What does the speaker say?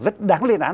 rất đáng lên án